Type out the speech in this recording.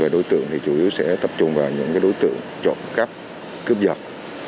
đối tượng chủ yếu sẽ tập trung vào những đối tượng trộm khắp cướp giật